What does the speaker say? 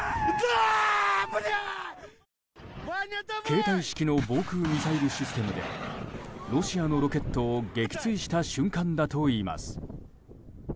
携帯式の防空ミサイルシステムでロシアのロケットを撃墜した瞬間だといいます。